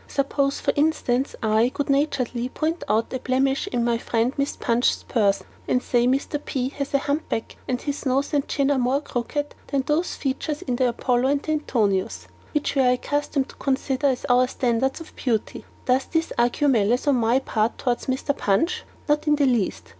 Suppose, for instance, I, good naturedly point out a blemish in my friend MR. PUNCH'S person, and say, MR. P. has a hump back, and his nose and chin are more crooked than those features in the Apollo or Antinous, which we are accustomed to consider as our standards of beauty; does this argue malice on my part towards MR. PUNCH? Not in the least.